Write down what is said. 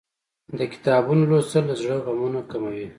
د کتابونو لوستل له زړه غمونه کموي.